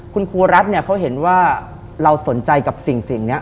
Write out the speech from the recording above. คุณครูรัฐเนี่ยเขาเห็นว่าเราสนใจกับสิ่งนี้